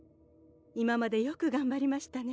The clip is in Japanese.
今までよくがんばりましたね